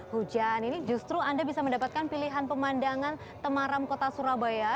hujan ini justru anda bisa mendapatkan pilihan pemandangan temaram kota surabaya